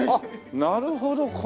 なるほど。